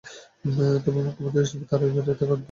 তবে মুখ্যমন্ত্রী এ হিসেবের বাইরে থাকবেন।